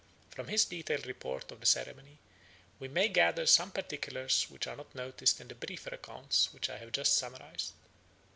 From his detailed report of the ceremony we may gather some particulars which are not noticed in the briefer accounts which I have just summarised.